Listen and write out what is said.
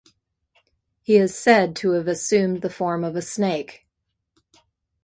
He is said to have assumed the form of a snake.